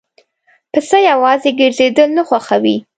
پسه یواځی ګرځېدل نه خوښوي.